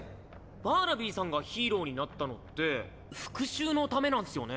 バーナビーさんがヒーローになったのって復讐のためなんすよね？